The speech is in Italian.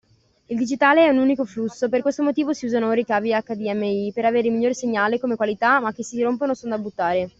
Il digitale è un unico flusso, per questo motivo si usano ora i cavi HDMI, per avere il miglior segnale come qualità ma che se si rompono sono da buttare.